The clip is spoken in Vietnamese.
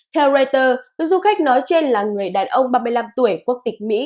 theo reuters du khách nói trên là người đàn ông ba mươi năm tuổi quốc tịch mỹ